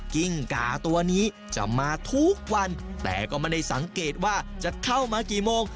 กิ้งกาตัวนี้จะมาทุกวันแต่ก็ไม่ได้สังเกตว่าจะเข้ามากี่โมง